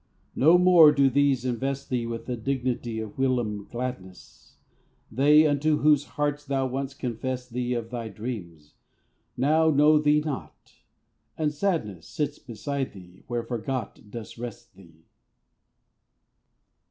no more do these invest thee With the dignity of whilom gladness! They unto whose hearts thou once confessed thee Of thy dreams now know thee not! and sadness Sits beside thee where forgot dost rest thee.